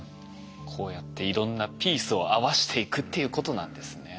こうやっていろんなピースを合わしていくっていうことなんですね。